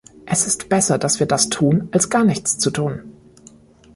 Es ist besser, dass wir das tun, als gar nichts zu tun.